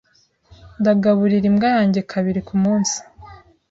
Ndagaburira imbwa yanjye kabiri kumunsi.